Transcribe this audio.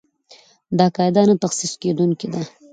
دا قاعده نه تخصیص کېدونکې ده.